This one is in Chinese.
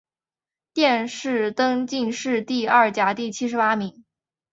殿试登进士第二甲第七十八名。